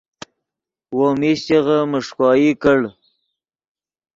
وو میشچغے میݰکوئی کڑ